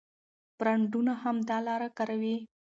برانډونه هم دا لاره کاروي.